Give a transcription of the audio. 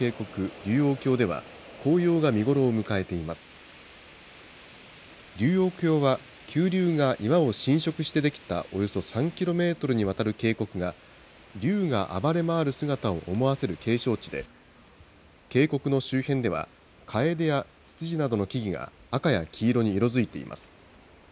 龍王峡は急流が岩を浸食して出来たおよそ３キロメートルにわたる渓谷が、竜が暴れ回る姿を思わせる景勝地で、渓谷の周辺では、カエデやツツジなどの木々が赤や黄色に色づいています。